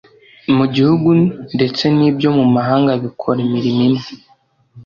mu gihugu ndetse n'ibyo mu mahanga bikora imirimo imwe